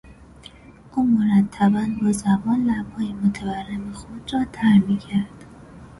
او مرتبا با زبان لبهای متورم خود را تر میکرد.